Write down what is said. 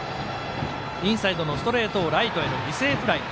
インサイドのストレートをライトへの犠牲フライ。